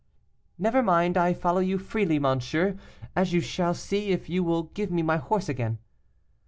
'Never mind, I follow you freely, monsieur, as you shall see if you will give me my horse again.